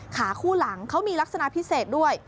ขาคู่หลังเขามีลักษณะพิเศษด้วย